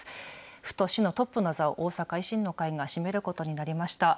府と市のトップの座を大阪維新の会が占めることになりました。